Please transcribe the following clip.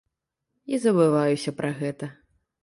І забываюся пра гэта.